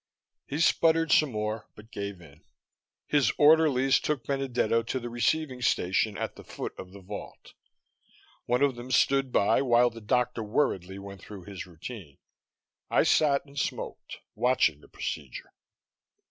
He sputtered some more, but he gave in. His orderlies took Benedetto to the receiving station at the foot of the vault; one of them stood by while the doctor worriedly went through his routine. I sat and smoked, watching the procedure.